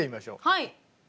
はい。